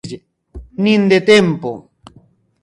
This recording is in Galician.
Nin de tempo.